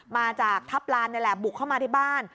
มาจากทัพลานนี่แหละบุกเข้ามาที่บ้าน